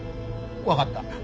わかった。